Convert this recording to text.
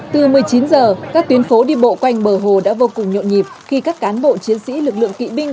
từ một mươi chín giờ các tuyến phố đi bộ quanh bờ hồ đã vô cùng nhộn nhịp khi các cán bộ chiến sĩ lực lượng kỵ binh